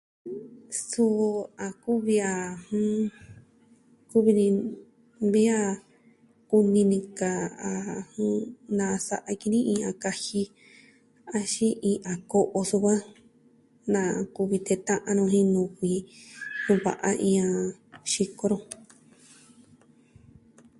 Suvi a kuvi a, jɨn, kuvi ni vi a kuvi ni kaa a nasa'a ki ni iin a kaji axin iin a ko'o sukuan na kuvi teta'an nu jin nuvi kuva'a iin a xiko nu.